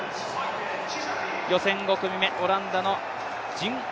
予選５組目、オランダのジンＡ